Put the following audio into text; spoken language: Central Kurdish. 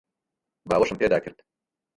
باوەشم پێدا کرد.